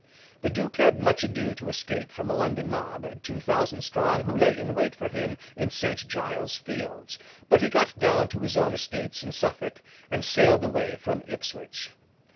The duke had much ado to escape from a London mob, two thousand strong, who lay in wait for him in St. Giles's fields; but, he got down to his own estates in Suffolk, and sailed away from Ipswich.